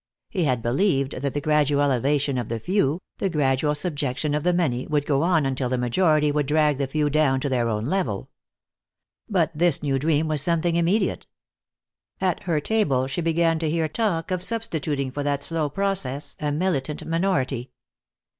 He had believed that the gradual elevation of the few, the gradual subjection of the many, would go on until the majority would drag the few down to their own level. But this new dream was something immediate. At her table she began to hear talk of substituting for that slow process a militant minority.